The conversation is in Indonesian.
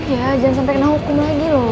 ya jangan sampai kena hukum lagi loh